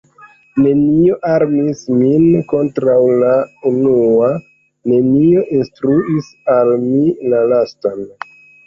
Nenio armis min kontraŭ la unua, nenio instruis al mi la lastan.